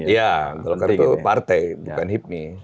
iya golkar itu partai bukan hibmi